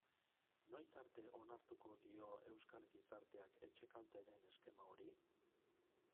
Noiz arte onartuko dio euskal gizarteak etxekalte den eskema hori?